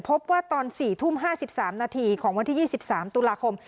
พบว่าตอนสี่ทุ่มห้าสิบสามนาทีของวันที่ยี่สิบสามตุลาคม